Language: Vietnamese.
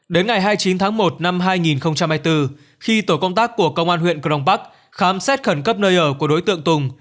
đến ngày hai mươi chín tháng một năm hai nghìn hai mươi bốn khi tổ công tác của công an huyện crong park khám xét khẩn cấp nơi ở của đối tượng tùng